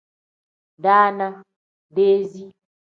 Daana pl: deezi n.